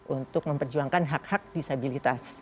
untuk memperjuangkan hak hak disabilitas